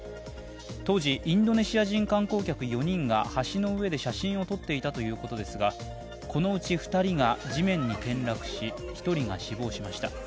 当時、インドネシア人観光客４人が橋の上で写真を撮っていたということですがこのうち２人が地面に転落し、１人が死亡しました。